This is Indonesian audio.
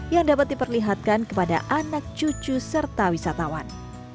yang dapat diperlihatkan kepada anak cucu serta wisatawan